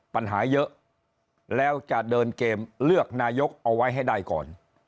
ปัญหาเยอะแล้วจะเดินเกมเลือกนายกเอาไว้ให้ได้ก่อน